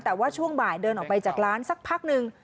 แต่ว่าช่วงบ่ายเดินออกไปจากร้านสักพักหนึ่ง